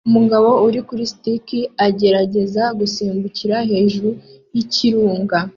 Umugabo uri kuri skisi agerageza gusimbukira hejuru yikirunga